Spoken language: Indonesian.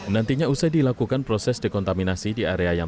nantinya usai dilakukan proses dekontaminasi di area yang